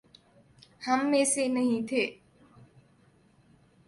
ہم میں سے نہیں تھے؟